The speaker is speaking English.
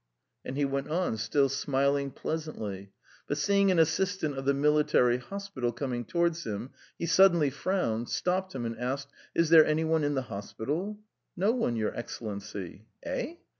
And he went on, still smiling pleasantly, but seeing an assistant of the military hospital coming towards him, he suddenly frowned, stopped him, and asked: "Is there any one in the hospital?" "No one, Your Excellency." "Eh?"